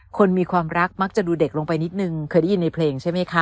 คนมีความรักมักจะดูเด็กลงไปนิดนึงเคยได้ยินในเพลงใช่ไหมคะ